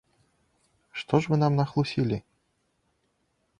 Што ж вы нам нахлусілі?